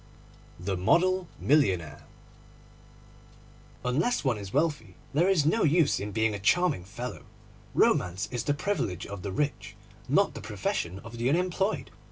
THE MODEL MILLIONAIRE A NOTE OF ADMIRATION UNLESS one is wealthy there is no use in being a charming fellow. Romance is the privilege of the rich, not the profession of the unemployed.